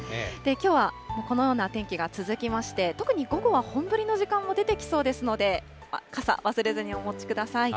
きょうはこのような天気が続きまして、特に午後は本降りの時間も出てきそうですので、傘、忘れずにお持ちください。